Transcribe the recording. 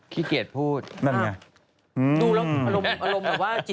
ขี้เกียจพูดนั่นไง